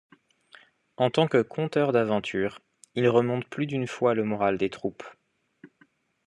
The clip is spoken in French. En tant que conteur d'aventures, il remonte plus d'une fois le moral des troupes.